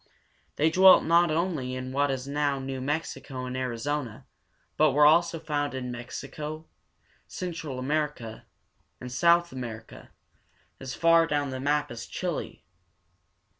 They dwelt not only in what is now New Mex´i co and Ar i zo´na, but were also found in Mexico, Central America, and South America, as far down the map as Chile (che´lā).